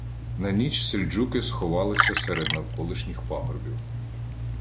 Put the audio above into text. На ніч сельджуки сховалися серед навколишніх пагорбів.